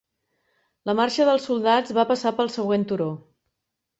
La marxa dels soldats va passar pel següent turó.